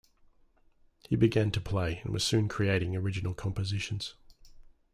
He began to play and was soon creating original compositions.